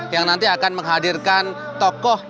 yang nanti akan menghadirkan tokoh